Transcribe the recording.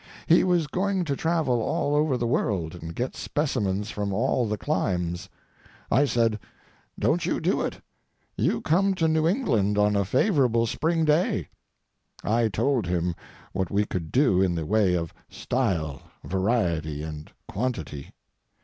He was going to travel all over the world and get specimens from all the climes. I said, "Don't you do it; you come to New England on a favorable spring day." I told him what we could do in the way of style, variety, and quantity.